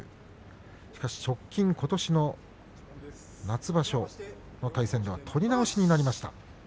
しかし直近、ことしの夏場所の対戦は取り直しになりました。